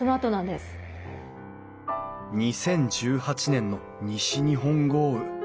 ２０１８年の西日本豪雨。